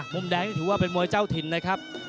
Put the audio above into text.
มุมแดงนี่ถือว่าเป็นมวยเจ้าถิ่นนะครับ